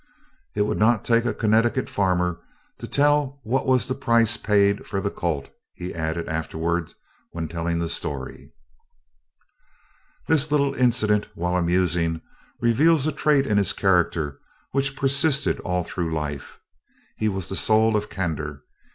"It would not take a Connecticut farmer to tell what was the price paid for the colt," he added afterward when telling the story. This little incident, while amusing, reveals a trait in his character which persisted all through life. He was the soul of candor.